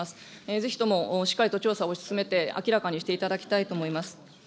ぜひともしっかりと調査を進めて、明らかにしていただきたいと思います。